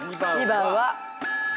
２番は。